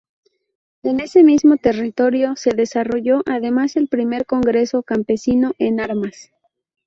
En ese mismo territorio se desarrolló además el Primer Congreso Campesino en Armas.